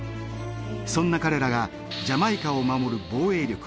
そんな彼らがジャマイカを守る防衛力